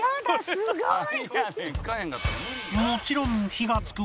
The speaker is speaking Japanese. すごい！